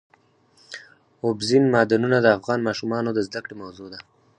اوبزین معدنونه د افغان ماشومانو د زده کړې موضوع ده.